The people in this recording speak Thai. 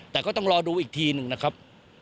แต่ก็ต้องรอดูอีกทีหนึ่งนะครับ